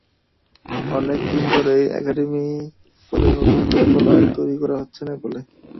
অনেক দিন ধরেই একাডেমি করে নতুন ফুটবলার তৈরি করা হচ্ছে নেপালে।